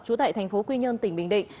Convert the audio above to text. chú tại thành phố quy nhơn tỉnh bình định